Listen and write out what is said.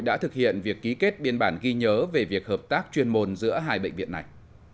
đã thực hiện việc ký kết biên bản ghi nhớ về việc hợp tác chuyên môn giữa hai bệnh viện này